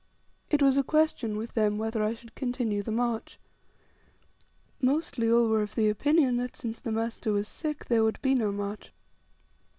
It was a question with them whether I should continue the march. Mostly all were of opinion that, since the master was sick, there would be no march.